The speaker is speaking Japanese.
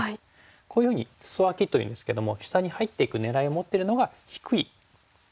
こういうふうに「スソアキ」というんですけども下に入っていく狙いを持ってるのが低い下のツメなんですよね。